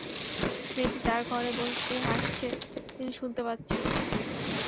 মেয়েটি তার ঘরে বসেই হাসছে, তিনি শুনতে পাচ্ছেন।